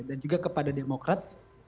dan juga kepada demokrat